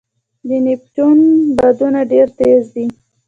د نیپټون بادونه ډېر تېز دي.